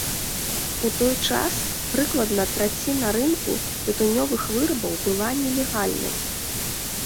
У той час прыкладна траціна рынку тытунёвых вырабаў была нелегальнай.